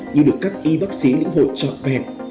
như được các y bác sĩ lĩnh hội trọng vẹn